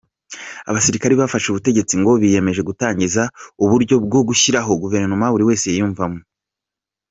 Abasirikare bafashe ubutegetsi ngo biyemeje gutangiza uburyo bwo gushyiraho guverinoma buri wese yibonamo.